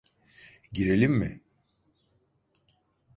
Girelim mi?